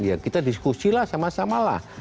ya kita diskusi lah sama samalah